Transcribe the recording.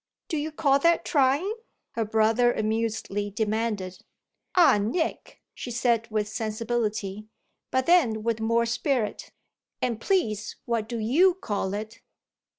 "Do you call that trying?" her brother amusedly demanded. "Ah Nick!" she said with sensibility. But then with more spirit: "And please what do you call it?"